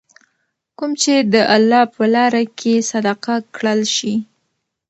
کوم چې د الله په لاره کي صدقه کړل شي .